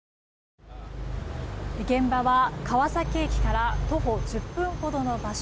現場は、川崎駅から徒歩１０分ほどの場所。